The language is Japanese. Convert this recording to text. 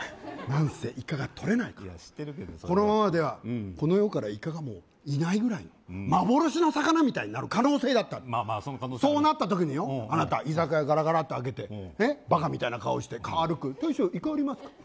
何せイカがとれないからいや知ってるけどさこのままではこの世からイカがもういないぐらいの幻の魚みたいになる可能性だってあるまあまあその可能性はあるそうなった時によあなた居酒屋ガラガラって開けてバカみたいな顔してかるく「大将イカありますか？」